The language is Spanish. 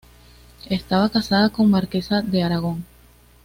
Estaba casado con Marquesa de Aragón.